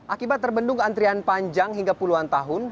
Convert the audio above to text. akibat terbendung antrian panjang hingga puluhan tahun